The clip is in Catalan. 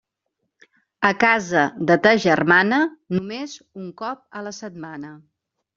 A casa de ta germana, només un cop a la setmana.